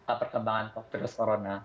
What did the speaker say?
apa perkembangan virus corona